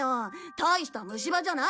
大した虫歯じゃないのに。